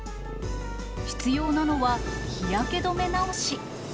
必要なのは日焼け止め直し。